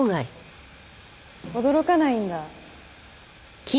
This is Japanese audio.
驚かないんだ。